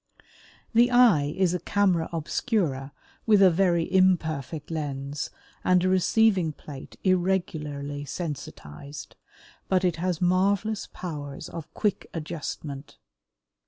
The eye is a camera obscura with a very imperfect lens and a receiving plate irregularly sensitized; but it has marvelous powers of quick adjustment.